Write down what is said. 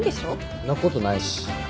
そんなことないし。